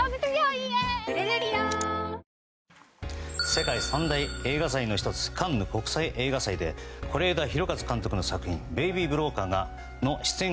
世界三大映画祭の１つカンヌ国際映画祭で是枝裕和監督の作品「ベイビー・ブローカー」の出演